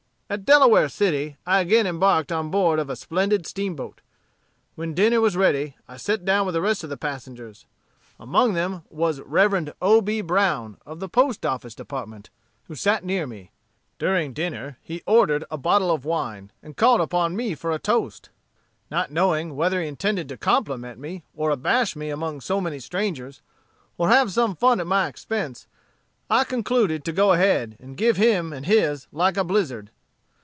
"At Delaware City, I again embarked on board of a splendid steamboat. When dinner was ready, I set down with the rest of the passengers. Among them was Rev. O. B. Brown, of the Post Office Department, who sat near me. During dinner he ordered a bottle of wine, and called upon me for a toast. Not knowing whether he intended to compliment me, or abash me among so many strangers, or have some fun at my expense, I concluded to go ahead, and give him and his like a blizzard.